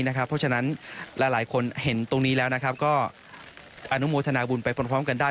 เพราะฉะนั้นหลายคนเห็นตรงนี้แล้วก็อนุโมทนาบุญไปพร้อมกันได้